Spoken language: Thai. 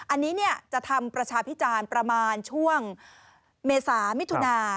อันนี้จะทำประชาพิจารณ์ประมาณช่วงเมษามิถุนา